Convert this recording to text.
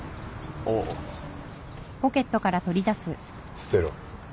捨てろ。